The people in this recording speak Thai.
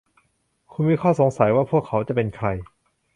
คุณมีข้อสงสัยว่าพวกเขาจะเป็นใคร ?